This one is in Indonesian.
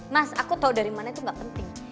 mas aku tau dari mana itu ga penting